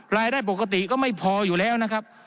รายได้ปกติก็ไม่พออยู่แล้วนะครับ